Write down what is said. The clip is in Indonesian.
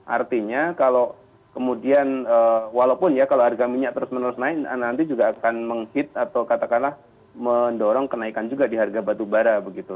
artinya kalau kemudian walaupun ya kalau harga minyak terus menerus naik nanti juga akan menghit atau katakanlah mendorong kenaikan juga di harga batubara begitu